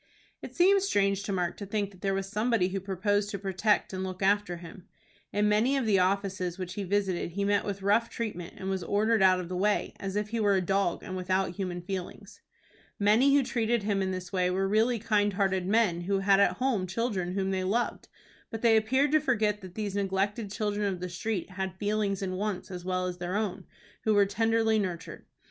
It seemed strange to Mark to think that there was somebody who proposed to protect and look after him. In many of the offices which he visited he met with rough treatment, and was ordered out of the way, as if he were a dog, and without human feelings. Many who treated him in this way were really kind hearted men who had at home children whom they loved, but they appeared to forget that these neglected children of the street had feelings and wants as well as their own, who were tenderly nurtured.